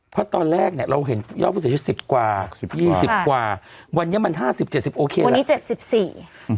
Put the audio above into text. เพราะตอนแรกเนี้ยเราเห็นยอดผู้เสียชีวิตสิบกว่าสิบยี่สิบกว่าวันนี้มันห้าสิบเจ็ดสิบโอเควันนี้เจ็ดสิบสี่อืม